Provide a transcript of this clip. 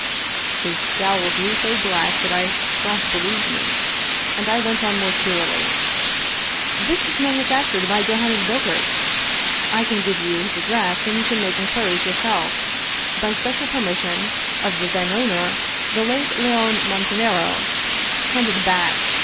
His scowl grew so black that I saw he believed me, and I went on more cheerily :" This was manufactured by Johannes Bogaerts — I can give you his address, and you can make inquiries yourself — ^by spe cial permission of the then owner, the late Leone Mon tanaro." " Hand it back